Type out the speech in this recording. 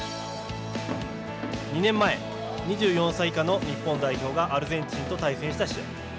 ２年前、２４歳以下の日本代表がアルゼンチンと対戦した試合。